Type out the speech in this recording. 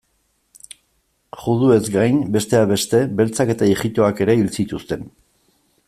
Juduez gain, besteak beste, beltzak eta ijitoak ere hil zituzten.